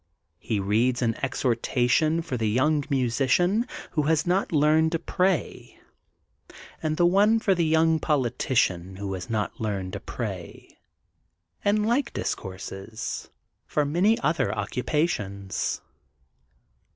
'' He reads the exhortation for The Young Musician who has not learned to Pray,*' and the one for The Young Politician who has not learned to Pray,'' and like discourses for many other occupations.